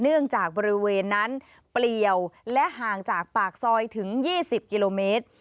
เนื่องจากบริเวณนั้นเปลี่ยวและห่างจากปากซอยถึง๒๐กิโลเมตร